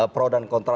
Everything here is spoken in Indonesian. pro dan kontra